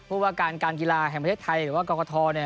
ผู้ว่าการการกีฬาแห่งประเทศไทยหรือว่ากรกฐเนี่ย